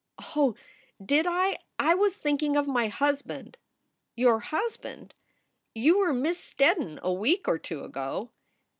"Oh, did I? I was thinking of my husband." "Your husband! You were Miss Steddon a week or two ago."